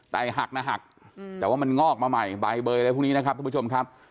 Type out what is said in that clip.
หักนะหักแต่ว่ามันงอกมาใหม่ใบเบอร์อะไรพวกนี้นะครับทุกผู้ชมครับ